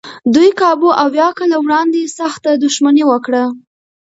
دوی کابو اویا کاله وړاندې سخته دښمني وکړه.